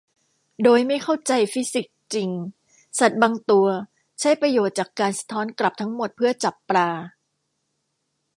โดยไม่เข้าใจฟิสิกส์จริงสัตว์บางตัวใช้ประโยชน์จากการสะท้อนกลับทั้งหมดเพื่อจับปลา